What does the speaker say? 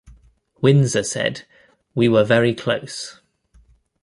Windsor said, We were very close.